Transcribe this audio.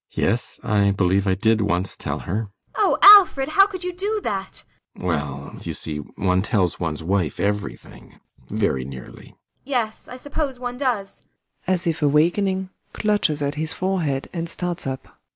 Yes, I believe I did once tell her. ASTA. Oh, Alfred, how could you do that? ALLMERS. Well, you see one tells one's wife everything very nearly. ASTA. Yes, I suppose one does. ALLMERS. [As if awakening, clutches at his forehead and starts up.